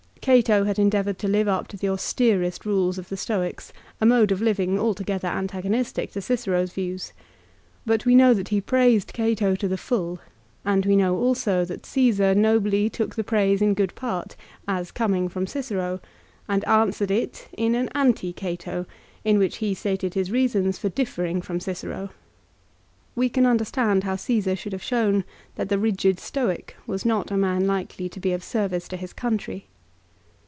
Cato had endeavoured to live up to the austerest rules of the Stoics, a mode of living altogether antagonistic to Cicero's views. But we know that he praised Cato to the full, and we know also that Csesar nobly took the praise in good part, as coming from Cicero, and answered it ii\ an anti Cato, in which he stated his reasons for differing from Cicero. We can understand how Caesar should have shown that the rigid Stoic was not a man likely to be of service to his country.